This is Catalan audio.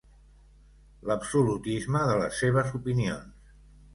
L'absolutisme de les seves opinions.